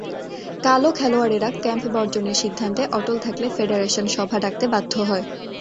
কালও খেলোয়াড়েরা ক্যাম্প বর্জনের সিদ্ধান্তে অটল থাকলে ফেডারেশন সভা ডাকতে বাধ্য হয়।